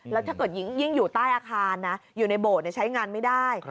แล้วถ้าเกิดยิ่งอยู่ใต้อาคารนะอยู่ในโบสถ์ใช้งานไม่ได้